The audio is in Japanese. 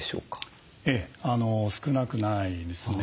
ええ少なくないですね。